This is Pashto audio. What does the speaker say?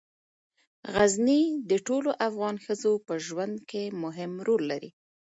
غزني د ټولو افغان ښځو په ژوند کې مهم رول لري.